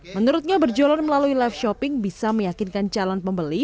menurutnya berjualan melalui live shopping bisa meyakinkan calon pembeli